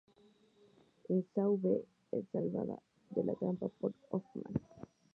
En Saw V, es salvada de la trampa por Hoffman.